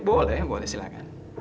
boleh boleh silahkan